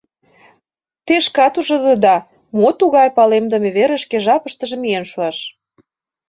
— Те шкат ужда, мо тугай палемдыме верышке жапыштыже миен шуаш.